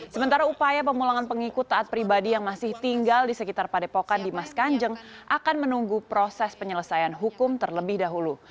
sementara upaya pemulangan pengikut taat pribadi yang masih tinggal di sekitar padepokan dimas kanjeng akan menunggu proses penyelesaian hukum terlebih dahulu